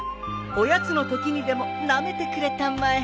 おやつのときにでもなめてくれたまえ。